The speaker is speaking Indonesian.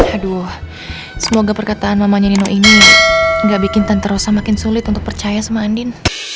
aduh semoga perkataan mamanya nino ini gak bikin tan terasa makin sulit untuk percaya sama andin